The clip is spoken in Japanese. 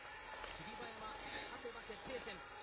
霧馬山、勝てば決定戦。